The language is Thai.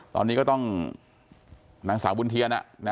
ตอนนี้ก็ต้องนางสาวบุญเทียน